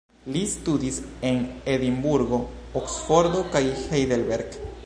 Li studis en Edinburgo, Oksfordo kaj Heidelberg.